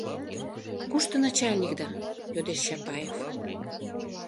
— Кушто начальникда? — йодеш Чапаев.